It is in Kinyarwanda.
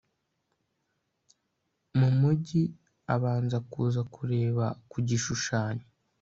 mu mujyi abanza kuza kureba ku gishushanyo